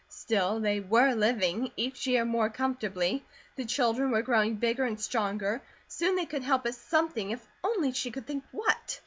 Still they were living, each year more comfortably; the children were growing bigger and stronger; soon they could help at something, if only she could think what.